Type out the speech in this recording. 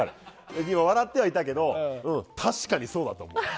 笑ってはいたけど確かにそうだった。